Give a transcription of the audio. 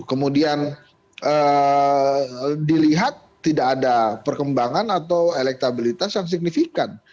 kemudian dilihat tidak ada perkembangan atau elektabilitas yang signifikan